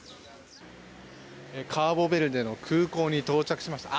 カーボベルデの空港に到着しました。